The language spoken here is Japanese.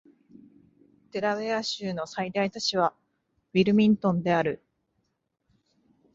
デラウェア州の最大都市はウィルミントンである